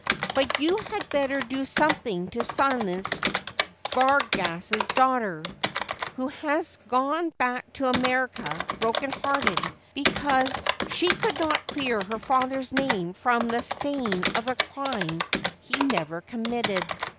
But you had better do something to silence Vargas's daughter, who has gone back to America broken hearted because she could not clear her father's name from the stain of a crime he never committed.'